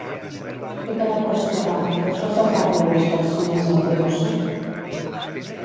He quedat per sopar, pots reservar per dues persones al Yokoso?